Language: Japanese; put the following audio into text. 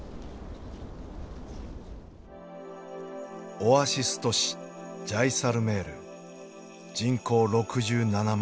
オアシス都市ジャイサルメール人口６７万。